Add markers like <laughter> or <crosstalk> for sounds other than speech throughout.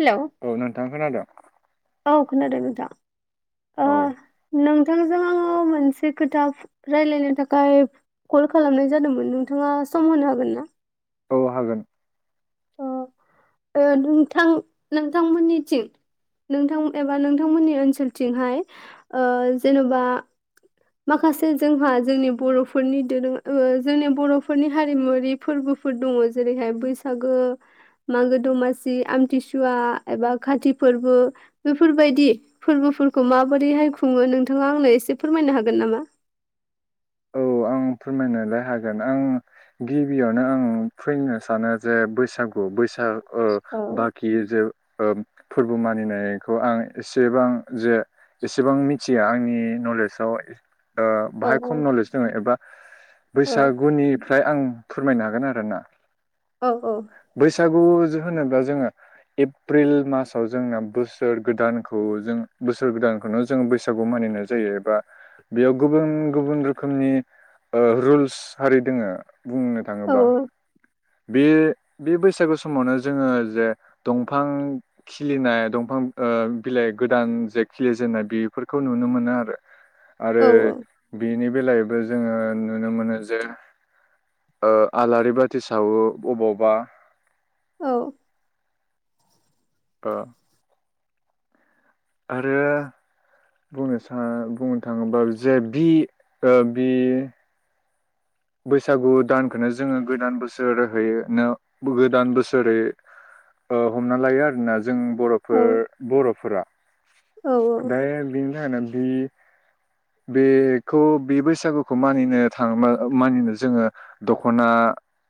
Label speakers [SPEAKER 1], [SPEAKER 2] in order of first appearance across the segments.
[SPEAKER 1] Hello
[SPEAKER 2] औ नोंथां खोनादों
[SPEAKER 1] औ खोनादों नोंथां अ
[SPEAKER 2] औ
[SPEAKER 1] नों नोंथांजों आङो मोनसे खोथा रायलायनो थाखाय कल खालामनाय जादोंमोन नोंथाङा सम होनो हागोन ना
[SPEAKER 2] औ हागोन
[SPEAKER 1] ओ नोंथां नोंथांमोननिथिं नोंथां एबा नोंथांमोननि ओनसोलथिंहाय ओ जेन'बा माखासे जोंहा जोंनि बरफोरनि दोरोङारि जोंनि बरफोरनि हारिमुवरारि फोरबोफोर दङ जेरैहाय बैसागु मागो दमासि आमथिसुवा एबा खाति फोरबो बेफोरबायदि फोरबोफोरखौ माबोरैहाय खुङो नोंथाङा आंनो एसे फोरमायनो हागोन हागोन नामा
[SPEAKER 2] औ आं फोरमायनोलाय हागोन आं गिबियावनो आं फैनो सानो जे बैसागु बैसा ओ
[SPEAKER 1] औ
[SPEAKER 2] बाखि जे। ओ फोरबो मानिनायखौ आं एसेबां जे एसेबां मिथिया आंनि नि नलेसाव ओ
[SPEAKER 1] औ
[SPEAKER 2] बाहाय खम नलेस दङ एबा
[SPEAKER 1] औ
[SPEAKER 2] बैसागुनि फ्राय आं फोरमायनो हागोन आरो ना
[SPEAKER 1] औ औ
[SPEAKER 2] बैसागु होनोब्ला जोंङो एप्रिल मासाव जोंना बोसोर गोदानखौ जों बोसोर गोदानखौनो जोंङो बैसागु मानिनाय जायो एबा बेयाव गुबुन गुबुन रोखोमनि रुल्स आरि दंङ बुंनो
[SPEAKER 1] औ
[SPEAKER 2] थाङोब्ला। बे बे बैसागु समावनो जोंङो जे दंफां खिलिनाय दंफां ओ बिलाइ गोदान जे खिलिजेननाय बेफोरखौ नुनो मोनो आरो आरो
[SPEAKER 1] औ
[SPEAKER 2] बेनि <unintelligible> जोंङो नुनो मोनो जे ओ आलारि बाथि सावो अबावबा
[SPEAKER 1] औ
[SPEAKER 2] ओ आरो बुंनो सा बुंनो थाङोबा जे बि ओ बि बैसागु दानखौनो जोंङो गोदान बोसोर <unintelligible> गोदान बोसोरै ओ हमना लायो आरोना जों बरफोर बरफोरा
[SPEAKER 1] औ
[SPEAKER 2] दा बिनि थाखायनो जि बेखौ बे बैसागुखौ मानिनो थाङोब्ला मानिनो जोंङो दखना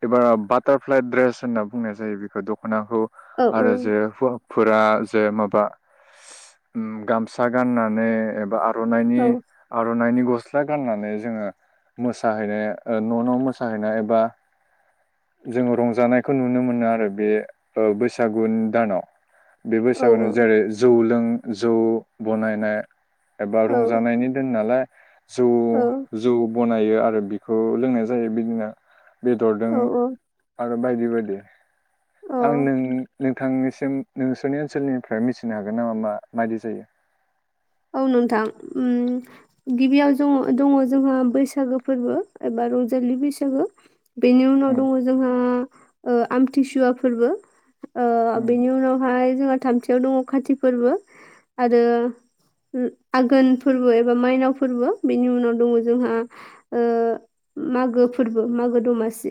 [SPEAKER 2] एबा बाटारफ्लाइ ड्रेस होनना बुंनाय जायो बेखौ दख खनाखौ
[SPEAKER 1] औ
[SPEAKER 2] आरो जे हौवाफोरा ओ माबा उम गामसा गाननानै एबा रनायनि
[SPEAKER 1] औ
[SPEAKER 2] आरनाइनि गस्ला गाननानै जोंङो मोसाहैनाय न न मोसाहैनाय एबा जोंङो रंजानायखौ नुनो मोनो आरो बे ओ बैसागु दानाव। बे बैसागुआव जेरै जौ लों जौ बानायनाय एबा रंजानायनि नालाय जौ जौ बानायो आरो बिखौ लोंनाय जायो बिदिनो बेदरदों
[SPEAKER 1] औ औ
[SPEAKER 2] आ बायदि बायदि
[SPEAKER 1] औ
[SPEAKER 2] आं नों। नोंथांनिसिम नोंसोरनि ओनसोलनिफ्राय मिथिनो हागोन नामा मा मायदि जायो।
[SPEAKER 1] औ नोंथां ओ गिबियाव जङ दङ जोंहा बैसागो फोरबो एबा रंजालि बैसागो। बेनि उनाव
[SPEAKER 2] उम
[SPEAKER 1] दङ जोंहा ओ आमथिसुवा फोरबो। ओ
[SPEAKER 2] उम
[SPEAKER 1] बेनि उनावहाय जोंहा थामथियाव दङ काति फोरबो आरो। आघोन फोरबो एबा माइनाव फोरबो बेनि उनाव दङ जोंहा ओ मागो फोरबो मागो दमासि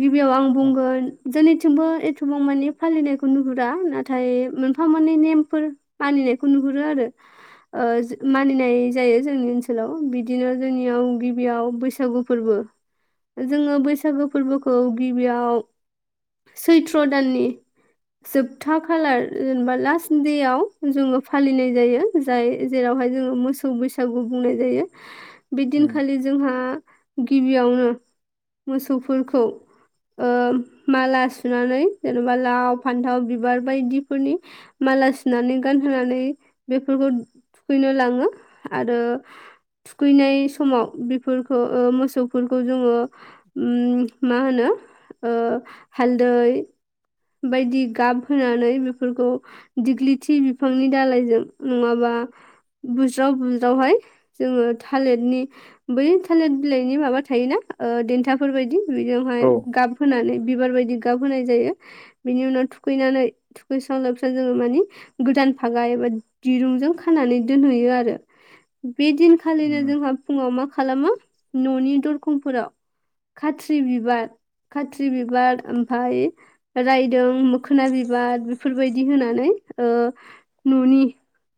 [SPEAKER 1] गिबियाव आं बुंगोन जोंनिथिंबो। एथबां माने फालिनायखौ नुहुरा नाथाय मोनफा मोननै नेमफोर मानिनायखौ नुहुरो आरो। ओ मानिनाय जायो जोंनि ओनसोलाव बिदिनो जोंनियाव गिबियाव बैसागु फोरबो जोङो बैसागु फोरबोखौ गिबियाव सैथ्र' दाननि जोबथा खालार जेनेबा लास्ट देयाव जोङो फालिनाय जायो जाय। जेरावहाय जोङो मोसौ बैसागु बुंनाय जायो।
[SPEAKER 2] उम
[SPEAKER 1] बिदिनखालि जोंहा गिबियावनो मोसौफोरखौ ओ माला सुनानै जेनेबा लाव फान्थाव बिबार बायदिफोरनि माला सुनानै गानहोनानै बेफोरखौ थुखैनो लाङो आरो थुखैनाय समाव बेफोरखौ मोसौफोरखौ जोङो मा होनो ओ हालदै बायदि गाब होनानै बेफोरखौ दिग्लिथि बिफांनि दालायजों नङाबा बुज्राव बुज्रावहाय जोङो थालिरनि बै थालिर बिलाइनि माबा थायोना देन्थाफोरबायायदि बिदियावहाय
[SPEAKER 2] औ
[SPEAKER 1] गाब होनानै बिबार बायदि गाब होनाय जायो बिनि उनाव थुखैनानै थुखैस्रां लोबस्रां जोङो मानि गोदान फागा एबा दिरुंजों खानानै दोनहैयो आरो। बे दिनखालिनो
[SPEAKER 2] उम
[SPEAKER 1] जोंहा फुङाव मा मा खालामो न'नि दरखमफोराव खात्रि बिबार खाथ्रि बिबार ओमफाय रायदों मोखोना बिबार बेफोरबायदि होनानै ओ न'नि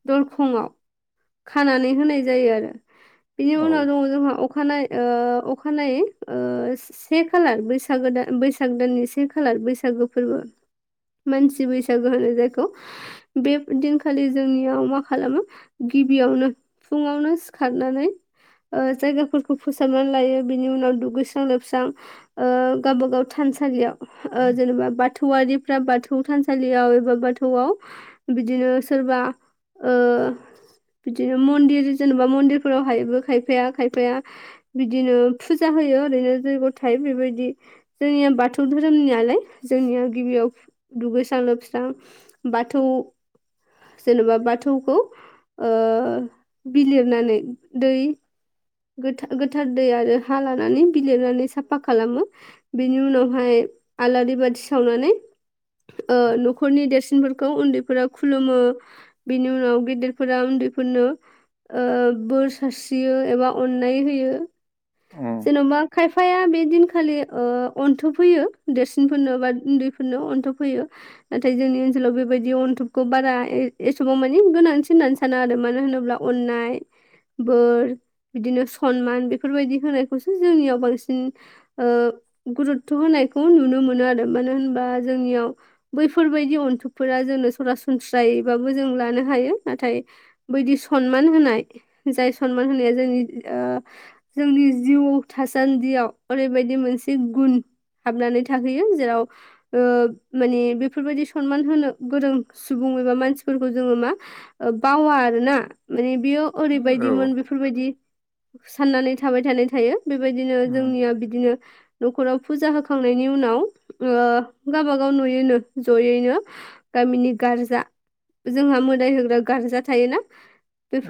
[SPEAKER 1] दरखंआव। खानानै होनाय जायो आरो। बिनि
[SPEAKER 2] औ
[SPEAKER 1] उनाव दङ जोंहा अखानायै ओ अखानायै से खालार बैसागो दान बैसागो दाननि से खालार बैसागो फोरबो मानसि बैसागो होनो जायखौ बे दिनखालि जोंनियाव मा खालामो। गिबियावनो फुङावनो सिखारनानै जायगाफोरखौ फोसाबनानै लायो बिनि उनाव दुगैस्रां लोबस्रां गावबागाव ओ थानसालियाव जेनेबा बाथौआरिफ्रा बाथौ थानसालियाव एबा बाथौआव बिदिनो सोरबा ओ बिदिनो मन्दिर जेनेबा मन्दिरफोराव हायोबो खायफाया खायफाया बिदिनो फुजा होयो ओरैनो जैग'थाय बेबायदि जोंनिया बाथौ धोरोमनियालाय जोंनिया गिबियाव दुगैस्रां लोबस्रां बाथौ जेनेबा बाथौखौ ओ बिलिरनानै दै गोथा गोथार दै आरो हा लानानै बिलिरनानै साफा खालामो बेनि उनावहाय आलारि बाथि सावनानै ओ न'खरनि देरसिनफोरखौ उन्दैफोरा खुलुमो बेनि उनाव गेदेरफोरा उन्दैफोरनो ओ बोर सारस्रियो एबा अननाय होयो
[SPEAKER 2] उम
[SPEAKER 1] जेन'बा खायफाया बे दिनखालि ओ अनथुब होयो देरसिनफोरनो बा उन्दैफोरनो अनथोब होैयो नाथाय जोंनि ओनसोलाव बेबायदि अनथुबखौ बारा एसेबां मानि गोनांसि होननानै साना आरो मानो होनोब्ला अननाय बोर बिदिनो सनमान बेफोरबायदि होनाय। खौसो जोंनियाव बांसिन ओ गुरुतथ' होनायखौ नुनो मोनो आरो मानो होनबा जोंनियाव बैफोरबायायदि अनथुबफोरा जोंनो सरासनस्रायैबाबो जों लानो हायो नाथाय बैदि सनमान होनाय जाय सनमान होनाया जोंनि ओ जोंनि। जिउ थासान्दियाव ओरैबायदि मोनसे गुन हाबनानै थाहैयो जेराव ओ माने बेफोरबायदि सनमान होनो गोरों सुबुं एबा मानसिफोरखौ जोङो मा बावा आरो ना माने बेयो
[SPEAKER 2] औ
[SPEAKER 1] ओरैबायदिमोन बेफोरबायदि साननानै थाबाय थानाय। थायो। बेबायदिनो
[SPEAKER 2] उम
[SPEAKER 1] जोंनिया बिदिनो। न'खराव फुजा होखांनायनि उनाव ओ गाबागाव नुयोनो जयैनो गामिनि गार्जा जोंहा मोदाय होग्रा गारजा थायोना।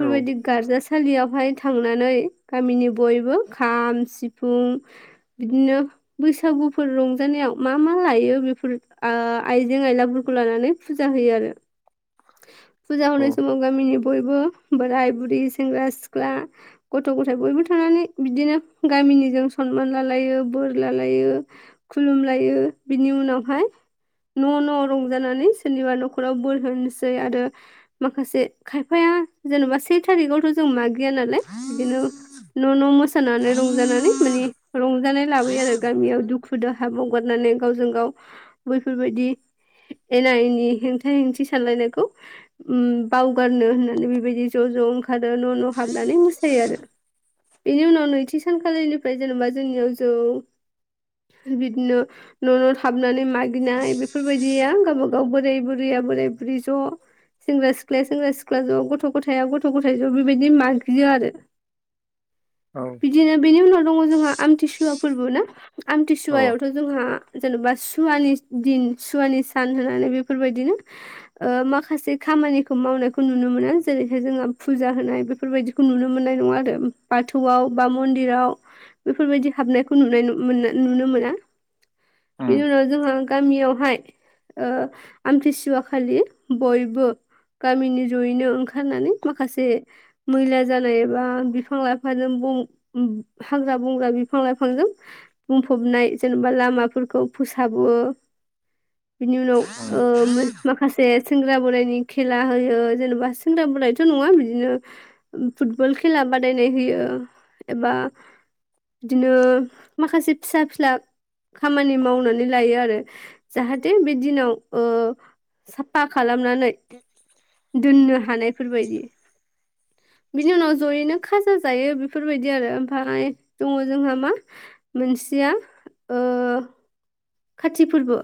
[SPEAKER 2] औ
[SPEAKER 1] गारजा सालियाव। हाय थांनानै गामिनि बयबो खाम सिफुं बिदिनो बैसागुफोर रंजानायाव मा मा लायो बेफोर ओ आइजें आइलाफोरखौ लानानै फुजा होयो आरो। फुजा होनाय
[SPEAKER 2] औ
[SPEAKER 1] समाव गामिनि बयबो बोराय बुरि सेंग्रा सिख्ला गथ' गथाय बयबो थांनानै बिदिनो गामिनिजों सनमान लालायो बोर लालायो खुलुमलायो बिनि उनावहाय न' न' रंजानानै सोरनिबा न'खराव बोर होनोसै आरो माखासे खायफाया जेनेबा से थारिकयावथ' जों माग गैयानालाय बिदिनो न' न' मोसौ होनानै रंजानानै माने रं जानाय लाबोयो आरो गामियाव दु खु दाहा बावगारनानै गावजों गाव बैफोरबायदि एना एनि हेंथा हेंथि सानलायनायखौ उम बावगारनो होननानै बेबायदि ज' ज' ओंखा रो न' न' हाबनानै मोसायो आरो। बिनि उनाव आव नैथि सानखालिनिफाय जेनबा जोंनियाव जौ बिदिनो न' न' हाब नानै मागिनाय बेफोरबायदिया गावबा गाव बोराय बुरै बुरै बोरै बुरि ज' सेंग्रा सिख्लाया सेंग्रा सिख्ला ज' गथ' गथाया गथ' गथा इ ज' बिबायदि मानगियो आरो।
[SPEAKER 2] औ
[SPEAKER 1] बिदिनो बिनि उनाव दङ जोंहा आमथिसुवा फोरबो ना।
[SPEAKER 2] औ
[SPEAKER 1] आमथिसुवायावथ' जोंहा जेन'बा सुवानि दिन सुवानि सान होनानै बेफोरबायदिनो ओ माखासे खामानिखौ मावनायखौ नुनो मोनो जेरैहाय जोङो फुजा होनाय बेफोरबायदिखौ नुनो मोननाय नङा आरो बाथौआव बा मन्दिराव बेफोरबादि हाबनायखौ नुनाय नु मोनना नुनो मोना। बिनि
[SPEAKER 2] उम
[SPEAKER 1] उनाव जोंहा गामियावहाय ओ आमतिसुवा खालि बयबो गामिनि जयैनो ओंखारनानै माखासे मैला जानाय एबा बिफां लाइफांजों बुं उम हाग्रा बंग्रा बिफां लाइफांजों बुंफबनाय जेनबा लामाफोरखौ फोसाबो। बिनि उनाव
[SPEAKER 2] उम
[SPEAKER 1] ओ माखासे सेंग्रा बोरायनि खेला होयो जेन'बा सेंग्रा बोरायथ' नङा बिदिनो फुटबल खेला बादायनाय होयो। एबा बिदिनो माखासे फिसा फिला खामानि मावनानै लायो आरो जाहाथे बे दिनाव ओ साबफा खालामनानै दोननो हानायफोरबायदि। बिनि उनाव जयैनो खाजा जायो बेफोर -' बेफोरबायदि आरो ओमफाय दङ जोंहा मा मोनसेया ओ खाथि फोरबो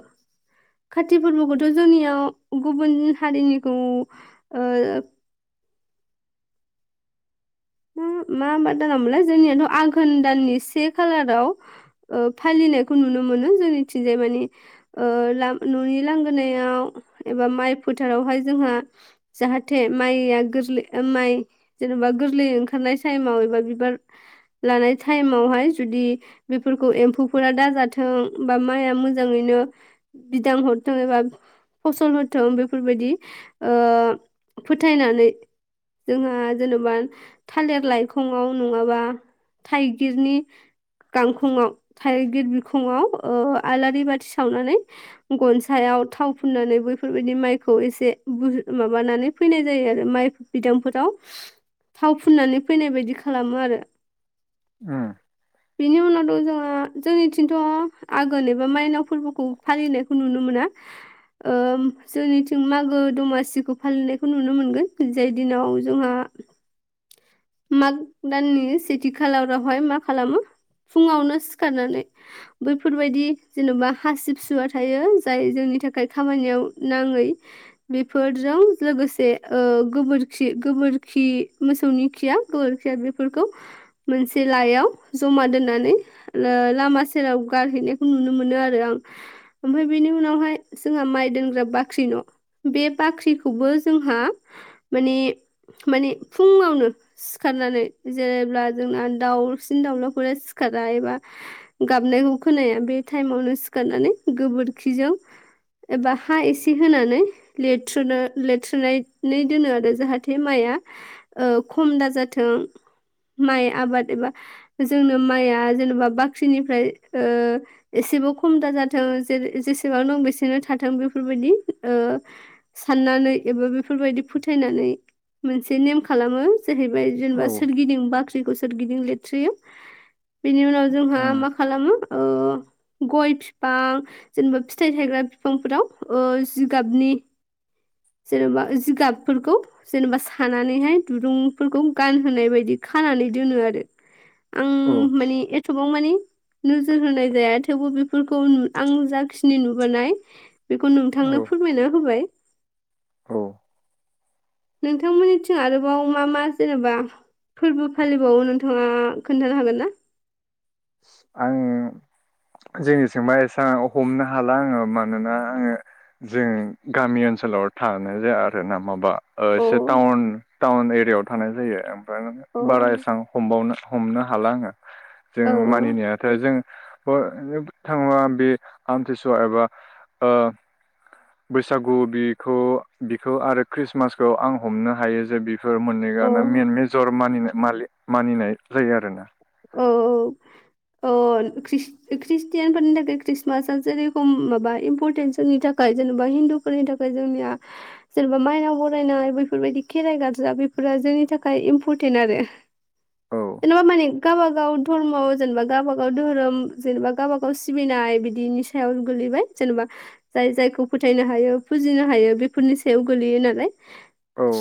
[SPEAKER 1] काति फोरबोखौथ' जोंनियाव गुबुन हारिनिखौ ओ मा मा मा दानावमोनलाय जोंनियाथ' आघोन दाननि से खालाराव ओ फालिनायखौ नुनो मोनो जोंनिथिंजाय मानि ओ लाम न'नि लांगोनायाव एबा माइ फोथारावहाय जोंहा जाहाथे माइया गोरलै माइ जेनेबा गोरलै ओं खारनाय टाइमाव एबा बिबार लानाय टाइमावहाय जुदि बेफोरखौ एम्फौफोरा दाजाथों बा माइआ मोजाङैनो बिदां हरथों एबा फसल होथों बेफोरबायदि ओ फोथायनानै जोंहा जेन'बा थालिर लाइखङआव नङाबा थाइगिरनि गांखंआव थाइगिर बिखङाव ओ आलारि बाथि सावनानै गनसायाव थाव फुननानै बैफोरबायदि माइखौ एसे बोहो माबानानै फैनाय जायो आरो माइ बिदांफोराव थाव फुननानै फैनाय बायदि खालामो आरो।
[SPEAKER 2] उम
[SPEAKER 1] बिनि उ दं जोंहा जोंनिथिंथ' आघोन एबा मायनाव फोरबोखौ फालिनायखौ नुनो मोना जोंनिथिं मागो दमासिखौ फालिनायखौ नुनो मोनगोन जाय दिनाव जोंहा माग दाननि सेथि खालारावहाय मा खालामो फुङावनो सिखारनानै बैफोरबायदि जेन'बा हासिब सुवा थायो जाय जोंनि थाखाय खामानियाव नाङै बेफोरजों लोगोसे गोबोरखि गोबोरखि मोसौनि खिया गोबोरखिया बेफोरखौ मोनसे लायाव जमा दोननानै लामा सेराव गारहैनायखौ नुनो मोनो आरो आं ओमफ्राय बेनि उनावहाय जोंहा माइ दोनग्रा बाख्रि न' बे बाख्रिखौबो जोंहा माने माने फुङावनो सिखारनानै जेब्ला जोंना दाउसिन दाउलाफोरा सिखारा एबा गाबनायखौ खोनाया बे टाइमावनो सिखारनानै गोबोरखिजों एबा हा एसे होनानै लेथ्रोनो लेथ्रोनानै दोनो आरो जाहाथे माइआ खम दाजाथों माइ आबाद एबा जोंनो माइआ जेनेबा बाख्रिनिफ्राय एसेबां खम दाजाथों जै जेसेबां दं बेसेनो थाथों बेफोरबायदि साननानै एबा बेफोरबायदि फोथायनानै मोनसे नेम खालामो। जाहैबाय
[SPEAKER 2] औ
[SPEAKER 1] जेनेबा सोरगिदिं बाख्रिखौ सोरगिदिं लेथ्रेयो बिनि उनाव जोंहा
[SPEAKER 2] उम
[SPEAKER 1] मा खालामो गय बिफां जेनेबा फिथाइ थायग्रा बिफांफोराव जिगाबनि जेनेबा जिगाबफोरखौ जेनेबा सानानैहाय दुरुं फोरखौ गानहोनाय बायदि खानानै दोनो आरो आं
[SPEAKER 2] औ
[SPEAKER 1] माने एथबां मानि नोजोर होनाय जाया थेवबो बेफोरखौ नु आं जाखिनि नुबोनाय बेखौ नोंथांनो
[SPEAKER 2] औ
[SPEAKER 1] फोरमायना होबाय।
[SPEAKER 2] औ
[SPEAKER 1] नोंथांमोननिथिं आरोबाव मा मा जेनेबा फोरबो फालिबावो नोंथाङा खोन्थानो हागोन ना?
[SPEAKER 2] आङो जोंनि सिं मा आयसा हमनो हाला आङो मानोना आङो जों गामि ओनसोलाव थानाय जाया आरो ना माबा
[SPEAKER 1] अ
[SPEAKER 2] एसे टाउन टाउन‌ ए जायाव थानाय जायो। बारा
[SPEAKER 1] औ
[SPEAKER 2] बारा एसां हमाबावनो हमनो हाला आङो जों मानिनायाथ जों थांबा बे आमथिसुवा एबा बैसागु बिखौ बिखौ आरो ख्रिस्टमासखौ आं हमनो हायो जे सोर मोननै
[SPEAKER 1] औ
[SPEAKER 2] गाना मेन मेजर मानिनो मानिनाय जायो आरोना
[SPEAKER 1] औ औ औ ख्रिस्टियानफोरनि थाखाय खृस्टमासआ जेरेखम माबा इम्परटेन जोंनि थाखाय जेनेबा हिन्दुफोरनि थाखाय जोंनिया जेनेबा मायनाव बरायनाय बैफोरबायदि खेराइ गाजा बेफोरा जोंनि थाखाय इम्परटेन्ट आरो
[SPEAKER 2] औ
[SPEAKER 1] जेनबा माने गावबागाव धर्म जेनेबा गावबागाव धोरोम जेनेबा गावबागाव सिबिनाय बिदिनि सायाव गोलैबाय जेनेबा जाय जायखौ फोथायनो हायो फुजिनो हायो बेफोरनि सायाव गोलैयो नालाय।
[SPEAKER 2] औ